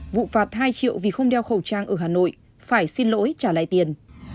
vụ phạt hai triệu vì không đeo khẩu trang ở hà nội phải xin lỗi trả lại tiền